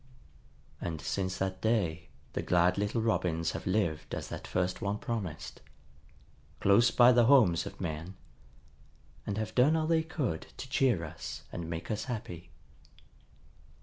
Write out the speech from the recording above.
And since that day the glad little Robins have lived as that first one promised, close by the homes of men, and have done all they could to cheer us and make us happy.